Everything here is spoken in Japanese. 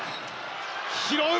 拾う！